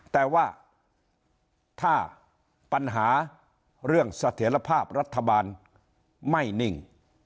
แต่ว่าถ้าปัญหาเรื่องเสถียรภาพรัฐบาลไม่นิ่ง